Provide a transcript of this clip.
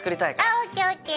あＯＫＯＫ。